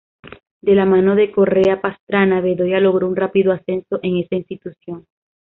De la mano de Correa Pastrana, Bedoya logró un rápido ascenso en esa institución.